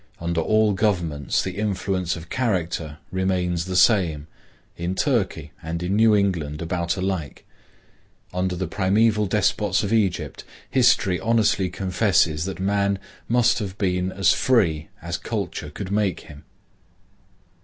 Under all governments the influence of character remains the same,—in Turkey and in New England about alike. Under the primeval despots of Egypt, history honestly confesses that man must have been as free as culture could make him.